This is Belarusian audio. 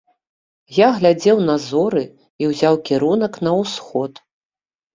Я глядзеў на зоры і ўзяў кірунак на ўсход.